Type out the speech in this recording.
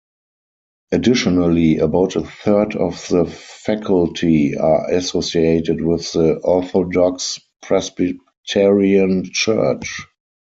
Additionally, about a third of the faculty are associated with the Orthodox Presbyterian Church.